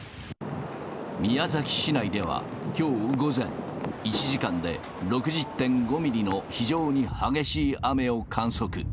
宮崎市内ではきょう午前、１時間で６０．５ミリの非常に激しい雨を観測。